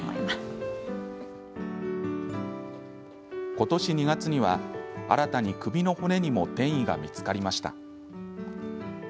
今年２月には新たに首の骨にも転移が見つかりました。